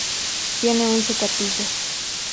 Tiene once capillas.